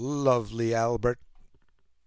Lovely Albert!